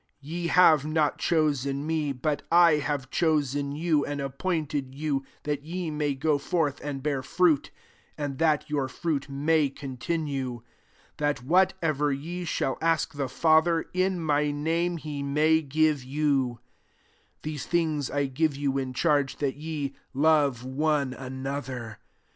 16 •* Ye have not chosen me ; but I have chosen you, and ap pointed you, that je may go forth and bear fruit, and that your fruit may continue: that whatever ye shall ask the Father in my name, he may give you* { 17 " These things I give you in charge, that ye love one ano ther.